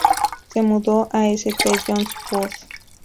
Se mudó a St John's Wood.